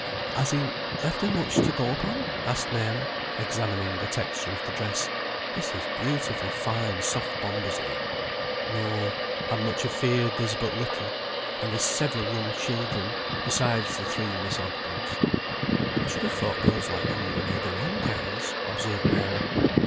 "Has he left her much to go upon?" asked Mary, examining the texture of the dress. "This is beautifully fine soft bombazine." "No, I'm much afeared there's but little, and there's several young children, besides the three Miss Ogdens." "I should have thought girls like them would ha' made their own gowns," observed Mary.